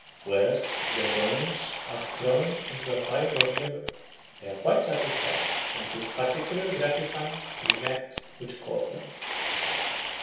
Whereas, if their bones are thrown into the fire or a river, they are quite satisfied; and it is particularly gratifying to the net which caught them."